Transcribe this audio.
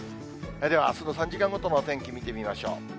ではあすの３時間ごとのお天気見てみましょう。